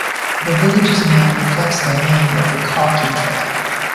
The village's name reflects the name of the Karki tribe.